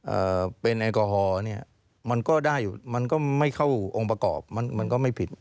เอ่อเป็นแอลกอฮอล์เนี้ยมันก็ได้อยู่มันก็ไม่เข้าองค์ประกอบมันมันก็ไม่ผิด